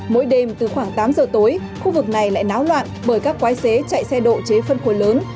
mỗi đêm từ khoảng tám giờ tối khu vực này lại náo loạn bởi các quái xế chạy xe độ chế phân khối lớn